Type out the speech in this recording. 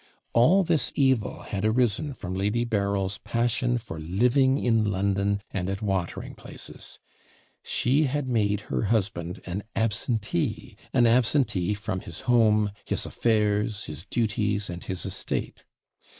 All this evil had arisen from Lady Berryl's passion for living in London and at watering places. She had made her husband an ABSENTEE an absentee from his home, his affairs, his duties, and his estate.